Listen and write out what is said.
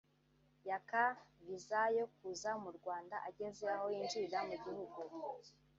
yaka viza yo kuza mu Rwanda ageze aho yinjirira mu gihugu